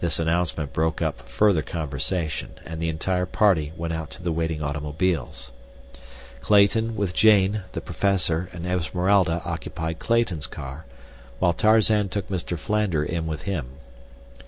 This announcement broke up further conversation, and the entire party went out to the waiting automobiles. Clayton, with Jane, the professor and Esmeralda occupied Clayton's car, while Tarzan took Mr. Philander in with him.